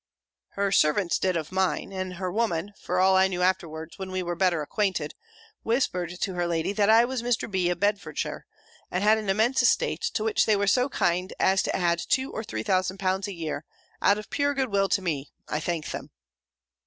"Her servants did of mine. And her woman (for I knew all afterwards, when we were better acquainted), whispered her lady, that I was Mr. B. of Bedfordshire; and had an immense estate, to which they were so kind as to add two or three thousand pounds a year, out of pure good will to me: I thank them."